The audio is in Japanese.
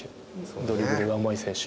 ドリブルがうまい選手。